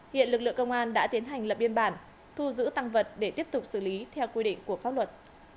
hiện lực lượng công an đã tiến hành lập biên bản thu giữ tăng vật để tiếp tục xử lý theo quy định của pháp luật